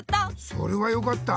それはよかった。